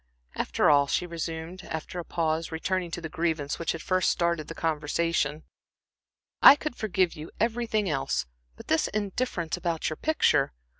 "After all," she resumed, after a pause, returning to the grievance which had first started the conversation, "I could forgive you everything else, but this indifference about your picture.